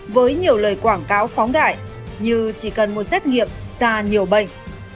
với nhiều lời quảng cáo phóng đại như chỉ cần một xét nghiệm ra nhiều bệnh